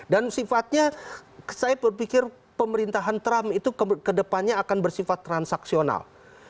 dan sifatnya saya berpikir pemerintahan trump itu kedepannya akan bersifat transaksional